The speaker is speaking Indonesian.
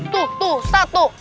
tuh tuh ustadz tuh